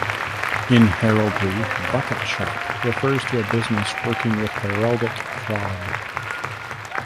In heraldry, bucket shop refers to a business working with heraldic fraud.